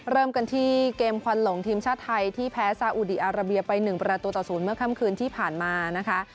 เริ่มกันที่เกมควันหลงทีมชาติไทยที่แพ้ซาอุดีอาราเบียไป๑ประตูต่อ๐เมื่อค่ำคืนที่ผ่านมานะคะ